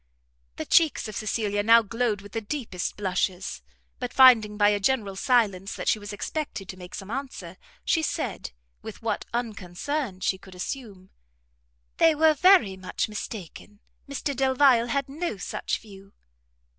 The cheeks of Cecilia now glowed with the deepest blushes; but finding by a general silence that she was expected to make some answer, she said, with what unconcern she could assume, "They were very much mistaken; Mr Delvile had no such view."